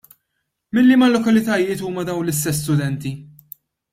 Minn liema lokalitajiet huma dawn l-istess studenti?